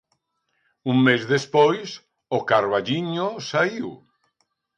Un mes despois, O Carballiño saíu.